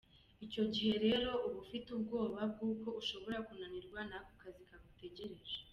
Icyo gihe rero uba ufiteubwoba bwo’uko ushobora kunanirwa n’ako kazi kagutegereje.